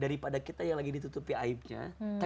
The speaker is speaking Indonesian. daripada kita yang lagi ditutupi aibnya